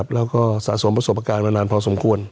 แล้วก็สะสมประสบการณ์มานานพอสมควร